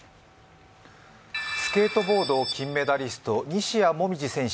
スケートボード金メダリスト・西矢椛選手